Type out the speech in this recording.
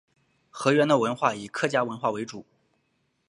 河源的文化以客家文化为主。